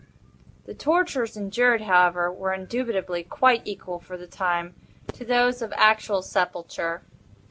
The tortures endured, however, were indubitably quite equal for the time, to those of actual sepulture.